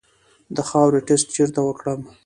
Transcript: د خاورې ټسټ چیرته وکړم؟